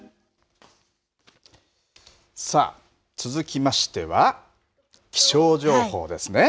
さあ、続きましては気象情報ですね。